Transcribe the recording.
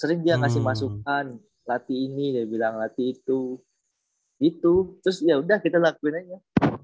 sering dia ngasih masukan latih ini dia bilang latih itu itu terus yaudah kita lakuin aja